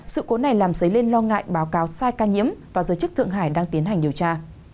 sự cố này làm dấy lên lo ngại báo cáo sai ca nhiễm và giới chức thượng hải đang tiến hành điều tra